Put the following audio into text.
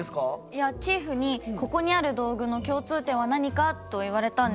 いやチーフに「ここにある道具の共通点は何か？」と言われたんです。